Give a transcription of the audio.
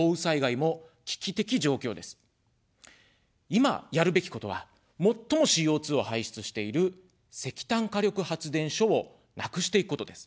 いま、やるべきことは、最もＣＯ２を排出している石炭火力発電所をなくしていくことです。